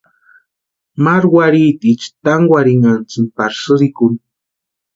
Maru warhitiecha tankwarhintasïnti pari sïrikuni.